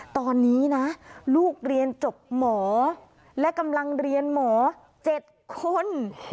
ตอนนี้นะลูกเรียนจบหมอและกำลังเรียนหมอ๗คน